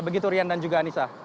begitu rian dan juga anissa